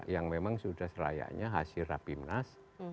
yang memang sudah selayaknya hasil rabi minas